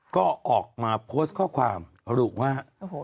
ก็ออกมาโพสต์ข้อความระบุว่า